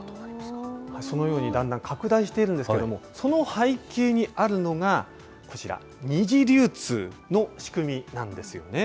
そのようにだんだん拡大しているんですけれども、その背景にあるのが、こちら、二次流通の仕組みなんですよね。